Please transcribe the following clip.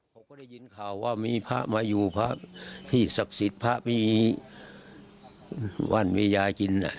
ผมก็ได้ยินข่าวว่ามีพระมาอยู่พระที่ศักดิ์สิทธิ์พระมีบ้านมียายกิน